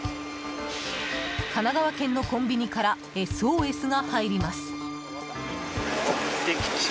神奈川県のコンビニからＳＯＳが入ります。